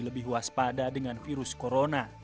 lebih waspada dengan virus corona